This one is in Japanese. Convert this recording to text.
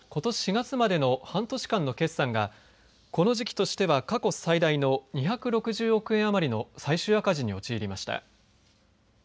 ４月までの半年間の決算がこの時期としては過去最大の２６０億円余りの最終赤字に陥りました。